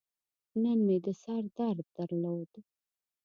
نن مې د سر درد درلود.